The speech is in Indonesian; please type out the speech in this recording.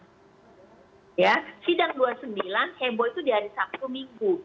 ya sidang dua puluh sembilan heboh itu dari sabtu minggu